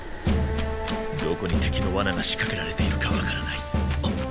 どこに敵のワナが仕かけられているかわからない。